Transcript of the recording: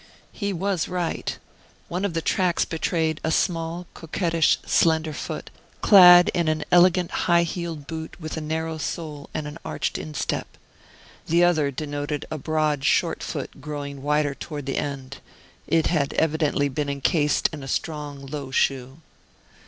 He was right. One of the tracks betrayed a small, coquettish, slender foot, clad in an elegant high heeled boot with a narrow sole and an arched instep. The other denoted a broad, short foot growing wider toward the end. It had evidently been incased in a strong, low shoe.